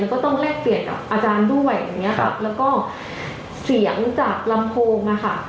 ก็ต้องแลกเปลี่ยนกับอาจารย์ด้วยอย่างเงี้ยค่ะแล้วก็เสียงจากลำโพงอะค่ะ